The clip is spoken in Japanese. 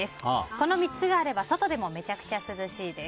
この３つがあれば外でもめちゃくちゃ涼しいです。